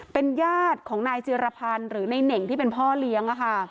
เป็นญาติของนายจิรพันธ์หรือในเน่งที่เป็นพ่อเลี้ยง